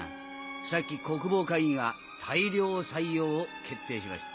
さっき国防会議が大量採用を決定しました。